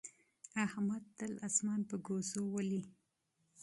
احمد تل اسمان په ګوزو ولي.